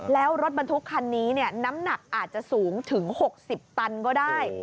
แล้วรถบรรทุกคันนี้น้ำหนักอาจจะสูงถึง๖๐ตันก็ได้